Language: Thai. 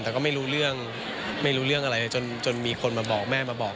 แต่ก็ไม่รู้เรื่องไม่รู้เรื่องอะไรจนมีคนมาบอกแม่มาบอก